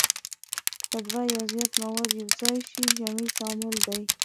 که دوه یا زیات مواد یو ځای شي جمعي تعامل دی.